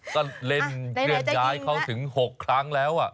ก็เล่นเคลื่อนย้ายเขาถึง๖ครั้งแล้ว